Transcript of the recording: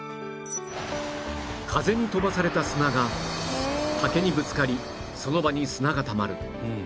風に飛ばされた砂が竹にぶつかりその場に砂がたまる